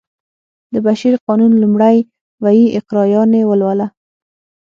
د بشپړ قانون لومړی ویی اقرا یانې ولوله و